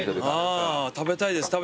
あ食べたいです。